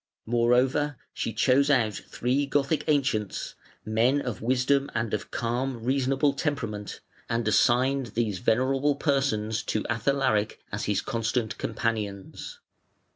Moreover, she chose out three Gothic ancients, men of wisdom and of calm, reasonable temperament, and assigned these venerable persons to Athalaric as his constant companions.